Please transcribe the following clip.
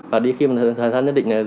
và khi khán giả nhất định